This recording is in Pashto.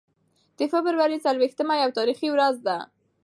د فبرورۍ څلور ویشتمه یوه تاریخي ورځ ده.